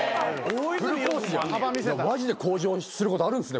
マジで向上することあるんですね